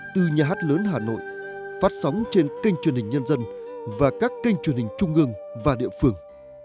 từ nhà hát lớn hà nội phát sóng trên kênh truyền hình nhân dân và các kênh truyền hình trung ương và địa phương